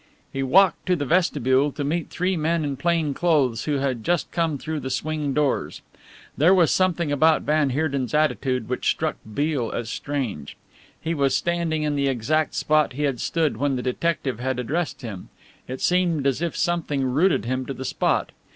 He walked to the vestibule to meet three men in plain clothes who had just come through the swing doors. There was something about van Heerden's attitude which struck Beale as strange. He was standing in the exact spot he had stood when the detective had addressed him. It seemed as if something rooted him to the spot.